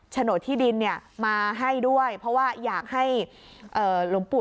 โฉนดที่ดินมาให้ด้วยเพราะว่าอยากให้หลวงปู่